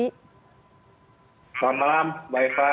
selamat malam mbak eva